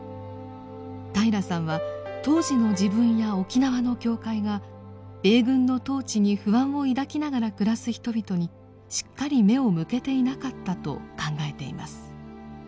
平良さんは当時の自分や沖縄の教会が米軍の統治に不安を抱きながら暮らす人々にしっかり目を向けていなかったと考えています。